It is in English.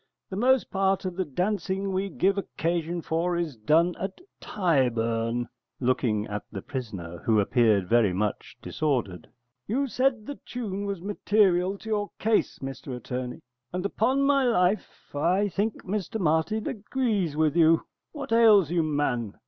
The most part of the dancing we give occasion for is done at Tyburn. [Looking at the prisoner, who appeared very much disordered.] You said the tune was material to your case, Mr Attorney, and upon my life I think Mr Martin agrees with you. What ails you, man?